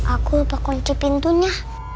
aku lupa kunci pintunya